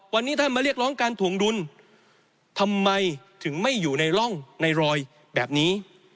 วันนี้ท่านมาเรียกร้องการถวงดุลทำไมถึงไม่อยู่ในร่องในรอยแบบนี้